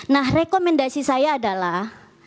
nah rekomendasi saya adalah